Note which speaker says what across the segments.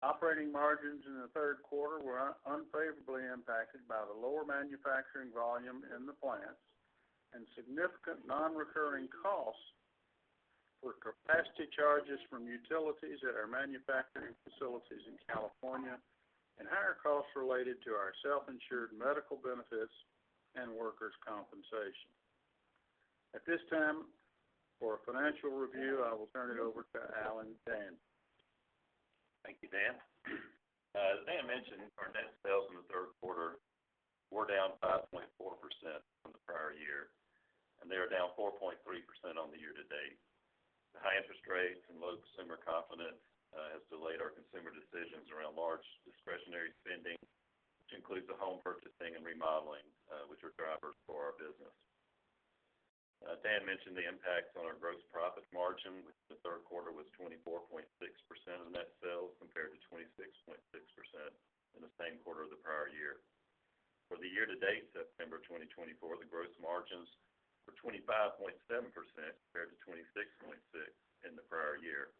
Speaker 1: Operating margins in the third quarter were unfavorably impacted by the lower manufacturing volume in the plants and significant non-recurring costs for capacity charges from utilities at our manufacturing facilities in California, and higher costs related to our self-insured medical benefits and workers' compensation. At this time, for a financial review, I will turn it over to Allen Danzey.
Speaker 2: Thank you, Dan. As Dan mentioned, our net sales in the third quarter were down 5.4% from the prior year, and they are down 4.3% on the year to date. The high interest rates and low consumer confidence have delayed our consumer decisions around large discretionary spending, which includes the home purchasing and remodeling, which are drivers for our business. Dan mentioned the impact on our gross profit margin, which in the third quarter was 24.6% of net sales compared to 26.6% in the same quarter of the prior year. For the year to date, September 2024, the gross margins were 25.7% compared to 26.6% in the prior year.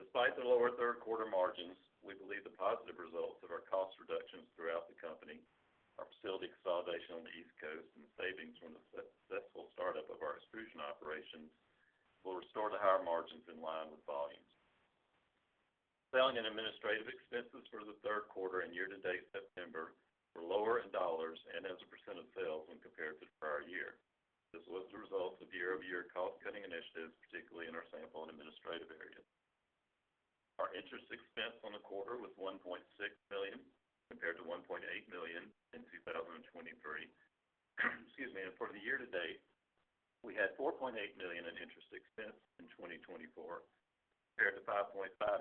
Speaker 2: Despite the lower third-quarter margins, we believe the positive results of our cost reductions throughout the company, our facility consolidation on the East Coast, and the savings from the successful startup of our extrusion operations will restore the higher margins in line with volumes. Selling and administrative expenses for the third quarter and year to date September were lower in dollars and as a percent of sales when compared to the prior year. This was the result of year-over-year cost-cutting initiatives, particularly in our sales and administrative areas. Our interest expense on the quarter was $1.6 million compared to $1.8 million in 2023. Excuse me. And for the year to date, we had $4.8 million in interest expense in 2024 compared to $5.5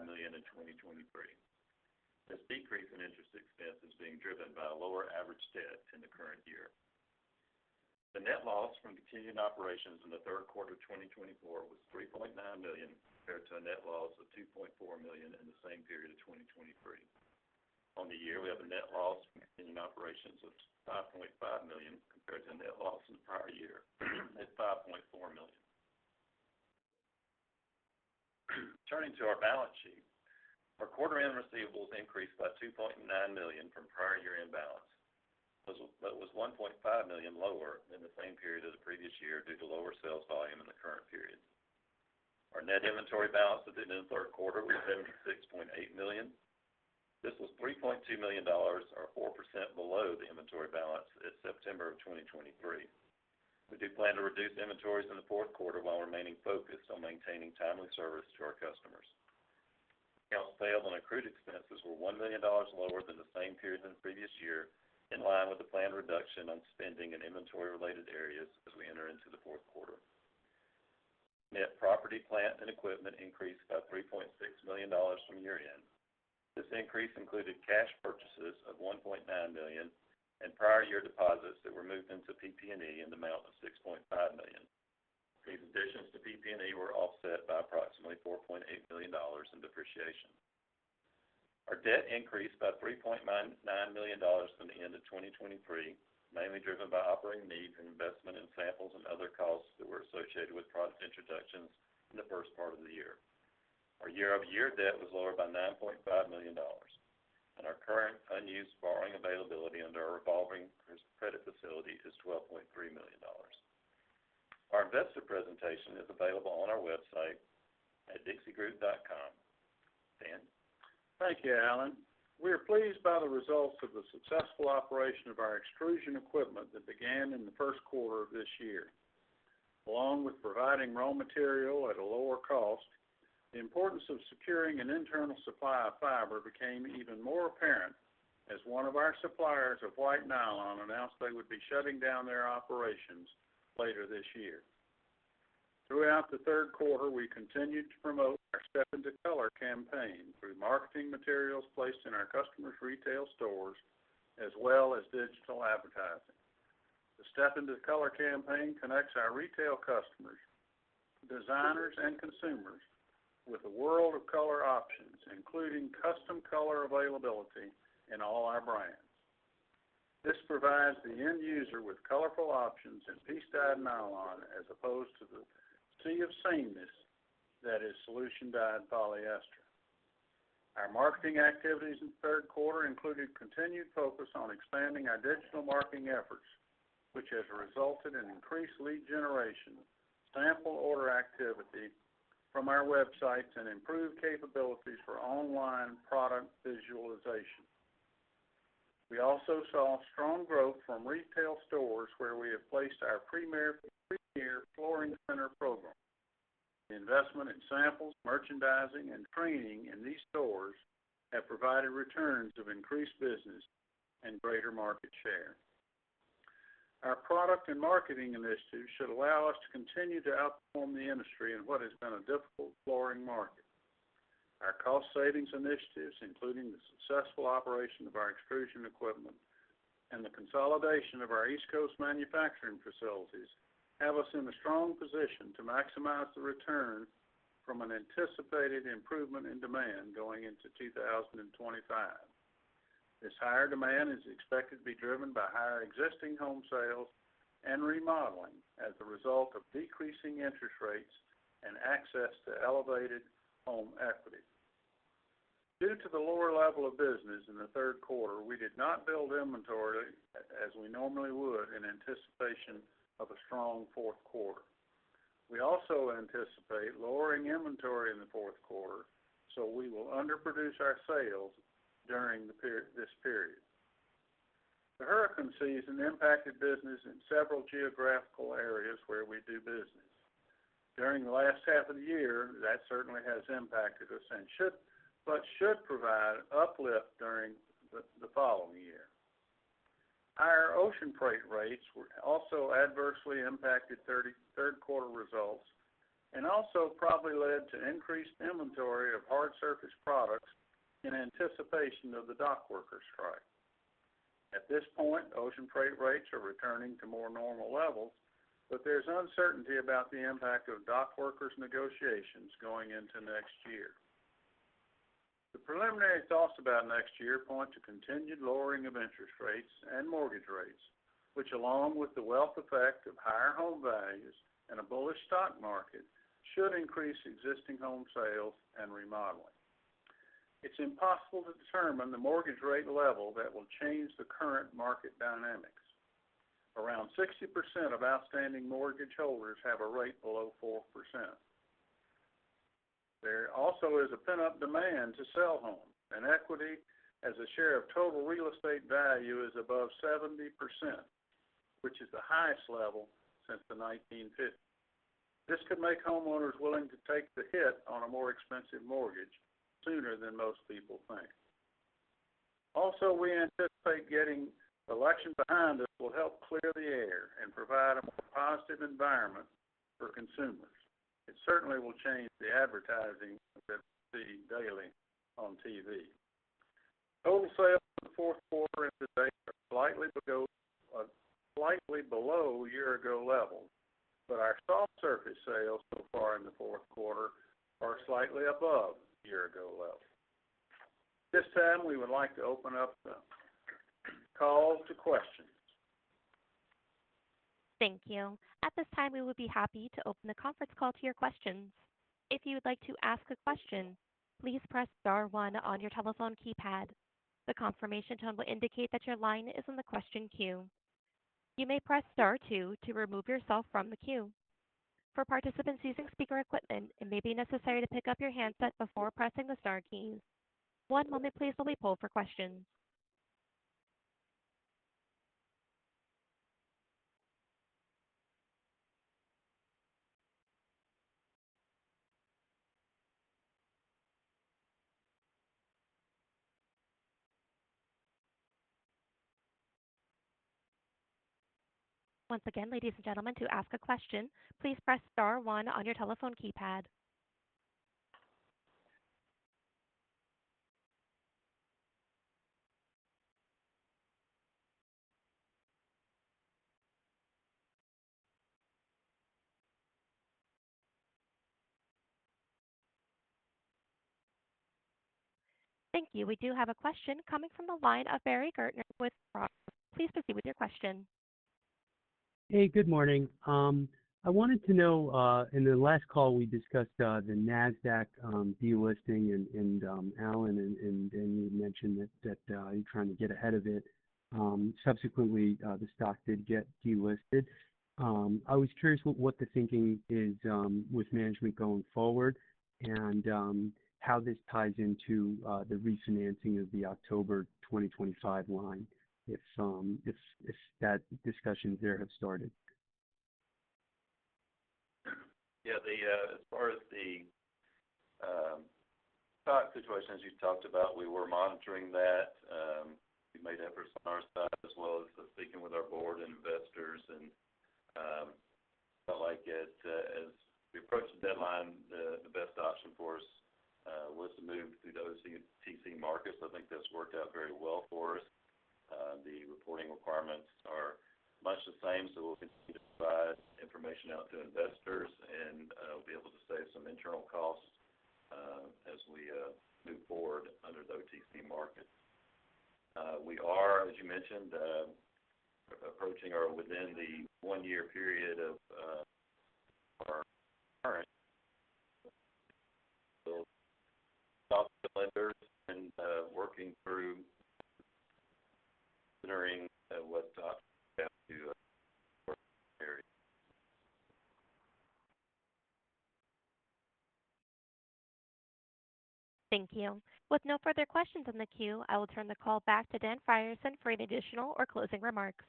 Speaker 2: million in 2023. This decrease in interest expense is being driven by a lower average debt in the current year. The net loss from continuing operations in the third quarter of 2024 was $3.9 million compared to a net loss of $2.4 million in the same period of 2023. On the year, we have a net loss from continuing operations of $5.5 million compared to a net loss in the prior year at $5.4 million. Turning to our balance sheet, our quarter-end receivables increased by $2.9 million from prior year-end balance, but was $1.5 million lower than the same period of the previous year due to lower sales volume in the current period. Our net inventory balance at the end of the third quarter was $76.8 million. This was $3.2 million, or 4% below the inventory balance at September of 2023. We do plan to reduce inventories in the fourth quarter while remaining focused on maintaining timely service to our customers. Accounts payable and accrued expenses were $1 million lower than the same period in the previous year, in line with the planned reduction on spending in inventory-related areas as we enter into the fourth quarter. Net property, plant, and equipment increased by $3.6 million from year-end. This increase included cash purchases of $1.9 million and prior year deposits that were moved into PP&E in the amount of $6.5 million. These additions to PP&E were offset by approximately $4.8 million in depreciation. Our debt increased by $3.9 million from the end of 2023, mainly driven by operating needs and investment in samples and other costs that were associated with product introductions in the first part of the year. Our year-over-year debt was lower by $9.5 million, and our current unused borrowing availability under our revolving credit facility is $12.3 million. Our investor presentation is available on our website at dixiegroup.com. Dan?
Speaker 1: Thank you, Allen. We are pleased by the results of the successful operation of our extrusion equipment that began in the first quarter of this year. Along with providing raw material at a lower cost, the importance of securing an internal supply of fiber became even more apparent as one of our suppliers of white nylon announced they would be shutting down their operations later this year. Throughout the third quarter, we continued to promote our Step Into Color campaign through marketing materials placed in our customers' retail stores, as well as digital advertising. The Step Into Color campaign connects our retail customers, designers, and consumers with a world of color options, including custom color availability in all our brands. This provides the end user with colorful options in piece-dyed nylon as opposed to the sea of sameness that is solution-dyed polyester. Our marketing activities in the third quarter included continued focus on expanding our digital marketing efforts, which has resulted in increased lead generation, sample order activity from our websites, and improved capabilities for online product visualization. We also saw strong growth from retail stores where we have placed our Premier Flooring Center program. The investment in samples, merchandising, and training in these stores have provided returns of increased business and greater market share. Our product and marketing initiatives should allow us to continue to outperform the industry in what has been a difficult flooring market. Our cost-savings initiatives, including the successful operation of our extrusion equipment and the consolidation of our East Coast manufacturing facilities, have us in a strong position to maximize the return from an anticipated improvement in demand going into 2025. This higher demand is expected to be driven by higher existing home sales and remodeling as a result of decreasing interest rates and access to elevated home equity. Due to the lower level of business in the third quarter, we did not build inventory as we normally would in anticipation of a strong fourth quarter. We also anticipate lowering inventory in the fourth quarter, so we will underproduce our sales during this period. The hurricane season impacted business in several geographical areas where we do business. During the last half of the year, that certainly has impacted us and should provide an uplift during the following year. Higher ocean freight rates also adversely impacted third-quarter results and also probably led to increased inventory of hard-surface products in anticipation of the dock worker strike. At this point, ocean freight rates are returning to more normal levels, but there's uncertainty about the impact of dock workers' negotiations going into next year. The preliminary thoughts about next year point to continued lowering of interest rates and mortgage rates, which, along with the wealth effect of higher home values and a bullish stock market, should increase existing home sales and remodeling. It's impossible to determine the mortgage rate level that will change the current market dynamics. Around 60% of outstanding mortgage holders have a rate below 4%. There also is a pent-up demand to sell homes, and equity as a share of total real estate value is above 70%, which is the highest level since the 1950s. This could make homeowners willing to take the hit on a more expensive mortgage sooner than most people think. Also, we anticipate getting elections behind us will help clear the air and provide a more positive environment for consumers. It certainly will change the advertising that we see daily on TV. Total sales in the fourth quarter to date are slightly below year-ago levels, but our soft-surface sales so far in the fourth quarter are slightly above year-ago levels. This time, we would like to open up the call to questions.
Speaker 3: Thank you. At this time, we would be happy to open the conference call to your questions. If you would like to ask a question, please press star one on your telephone keypad. The confirmation tone will indicate that your line is in the question queue. You may press star two to remove yourself from the queue. For participants using speaker equipment, it may be necessary to pick up your handset before pressing the star keys. One moment, please, while we pull for questions. Once again, ladies and gentlemen, to ask a question, please press star one on your telephone keypad. Thank you. We do have a question coming from the line of Barry Gartner with Frog. Please proceed with your question. Hey, good morning. I wanted to know, in the last call, we discussed the Nasdaq delisting, and Allen and Danny had mentioned that you're trying to get ahead of it. Subsequently, the stock did get delisted. I was curious what the thinking is with management going forward and how this ties into the refinancing of the October 2025 line, if that discussion there has started.
Speaker 2: Yeah. As far as the stock situation as you talked about, we were monitoring that. We made efforts on our side as well as speaking with our board and investors, and felt like as we approached the deadline, the best option for us was to move through the OTC markets. I think that's worked out very well for us. The reporting requirements are much the same, so we'll continue to provide information out to investors, and we'll be able to save some internal costs as we move forward under the OTC market. We are, as you mentioned, approaching or within the one-year period of our current stock lenders and working through considering what steps have to work in the area.
Speaker 3: Thank you. With no further questions on the queue, I will turn the call back to Dan Frierson for any additional or closing remarks.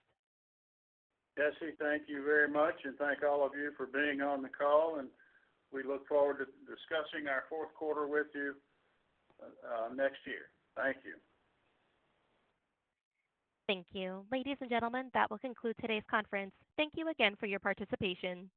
Speaker 1: Jesse, thank you very much, and thank all of you for being on the call. And we look forward to discussing our fourth quarter with you next year. Thank you.
Speaker 3: Thank you. Ladies and gentlemen, that will conclude today's conference. Thank you again for your participation.